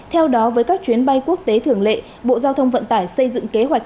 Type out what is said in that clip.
theo đó với các chuyến bay quốc tế thường lệ bộ giao thông vận tải xây dựng kế hoạch